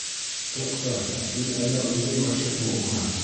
Туҡта, һин әллә үҙең ғашиҡмы уға?